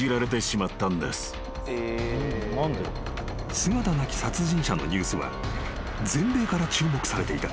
［姿なき殺人者のニュースは全米から注目されていた］